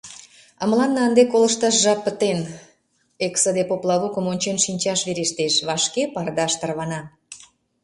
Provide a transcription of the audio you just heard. А мыланна ынде колышташ жап пытен: эксыде поплавокым ончен шинчаш верештеш — вашке пардаш тарвана.